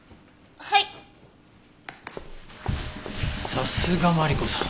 さすがマリコさん